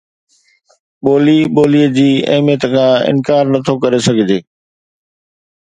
ٻولي ٻولي جي اهميت کان انڪار نه ٿو ڪري سگهجي